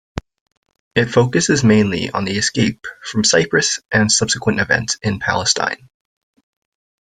It focuses mainly on the escape from Cyprus and subsequent events in Palestine.